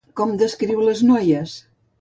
Com descriu les noies?